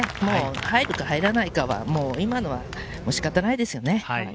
入るか入らないかは今のは仕方がないですよね。